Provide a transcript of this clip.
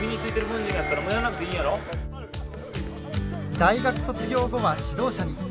大学卒業後は指導者に。